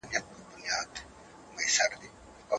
حکومتي قدرت د سياستپوهانو لخوا څېړل کېږي.